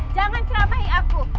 jangan keramahi aku